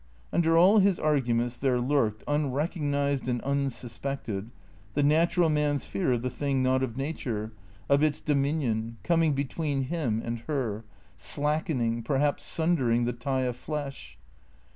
Under all his arguments there lurked, unrecognized and un suspected, the natural man's fear of the thing not of nature, of its dominion, coming between him and her, slackening, per haps sundering the tie of flesh.